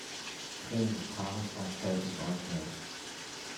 Trainer des Paares war Sheldon Galbraith.